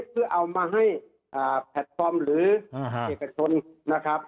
เพื่อเอามาให้แพลตฟอร์มหรือเอกชนนะครับ